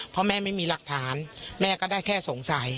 เพราะแม่ไม่มีหลักฐานแม่ก็ได้แค่สงสัย